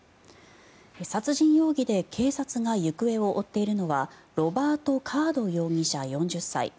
殺人容疑で警察が行方を追っているのはロバート・カード容疑者４０歳。